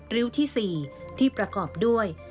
ริ้วที่๔ที่ประกอบด้วย